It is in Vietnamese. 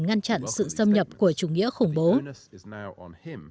ngăn chặn sự xâm nhập của chủ nghĩa khủng bố